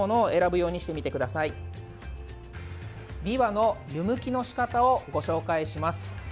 びわの湯むきの仕方をご紹介します。